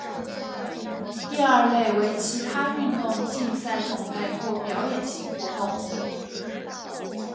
第二类为其他运动竞赛种类或表演性活动。